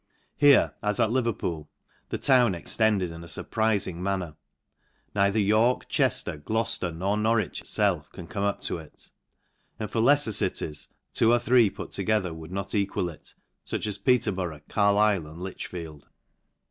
Here, as at Liverpool* the town extended in a fur* prifing manner. Neither York* Chefter* Gloucester* nor Norwich itfelf, can come up to it > ami for lefler cities, two or three put together would not equal it, fuch as Peterborough* Carli/le* and Litchfield.